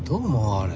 あれ。